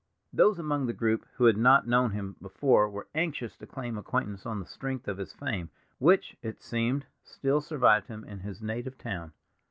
Those among the group who had not known him before were anxious to claim acquaintance on the strength of his fame, which, it seemed, still survived him in his native town.